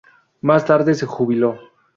Más tarde se jubiló.